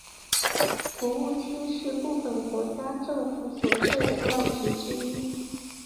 国务卿是部份国家政府所设的要职之一。